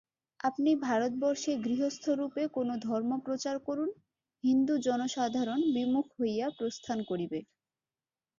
আপনি ভারতবর্ষে গৃহস্থরূপে কোন ধর্ম প্রচার করুন, হিন্দু জনসাধারণ বিমুখ হইয়া প্রস্থান করিবে।